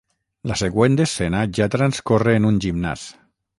La següent escena ja transcorre en un gimnàs.